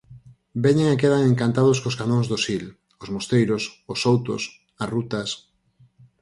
Veñen e quedan encantados cos Canóns do Sil, os mosteiros, os soutos, as rutas...